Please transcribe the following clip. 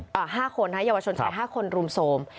หรือ๕คนนะเยาวชนชั้น๕คนรุ่มโทรม